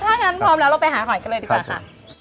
ถ้างั้นพร้อมแล้วเราไปหาหอยกันเลยดีกว่าค่ะ